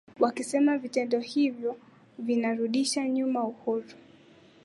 wakisema vitendo hivyo vinarudisha nyuma uhuru